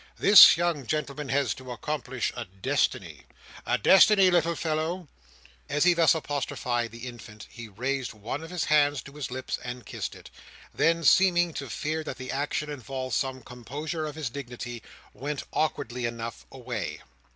This young gentleman has to accomplish a destiny. A destiny, little fellow!" As he thus apostrophised the infant he raised one of his hands to his lips, and kissed it; then, seeming to fear that the action involved some compromise of his dignity, went, awkwardly enough, away.